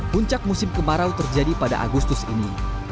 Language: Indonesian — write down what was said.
puncak musim kemarau terjadi pada agustus ini